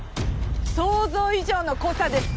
想像以上の濃さです。